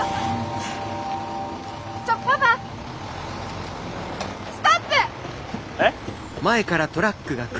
ちょっパパストップ！え？